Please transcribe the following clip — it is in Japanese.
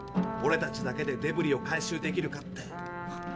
オレたちだけでデブリを回収できるかって。